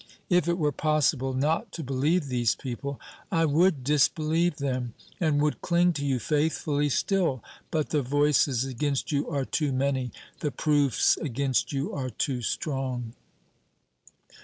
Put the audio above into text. If it were possible not to believe these people, I would disbelieve them, and would cling to you faithfully still; but the voices against you are too many, the proofs against you are too strong.